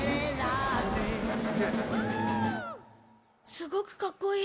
すごくかっこいい。